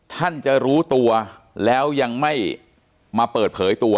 ท่านจะรู้ตัวแล้วยังไม่มาเปิดเผยตัว